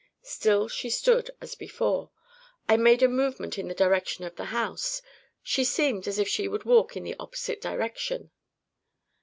Still she stood as before. I made a movement in the direction of the house. She seemed as if she would walk in the opposite direction.